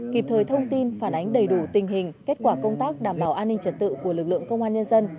kịp thời thông tin phản ánh đầy đủ tình hình kết quả công tác đảm bảo an ninh trật tự của lực lượng công an nhân dân